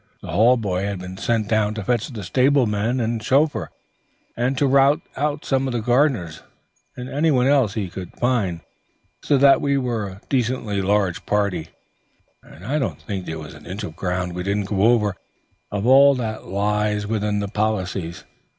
The hall boy had been sent down to fetch up the stablemen and chauffeur, and to rout out some of the gardeners and anyone else he could find, so that we were a decently large party, and I don't think there was an inch of ground we didn't go over, of all that lies within the policies.